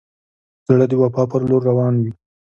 زړه د وفا پر لور روان وي.